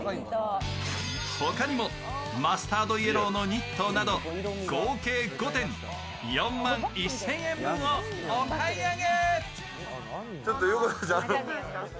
他にもマスタードイエローのニットなど、合計５点、４万１０００円分をお買い上げ。